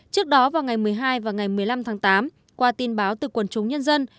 trước đó vào ngày một mươi hai và ngày một mươi năm tháng tám qua tin báo từ quần chúng nhân dân